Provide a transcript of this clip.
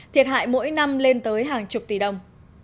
thiệt hại mỗi năm lên tới hàng chục tỷ đồng